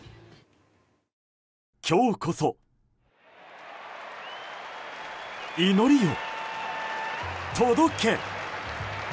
今日こそ、祈りよ届け！